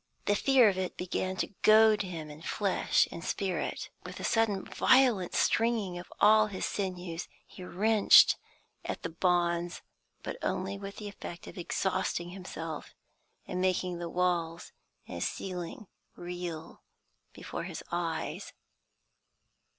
The fear of it began to goad him in flesh and spirit. With a sudden violent stringing of all his sinews, he wrenched at the bonds, but only with the effect of exhausting himself and making the walls and ceiling reel before his eyes.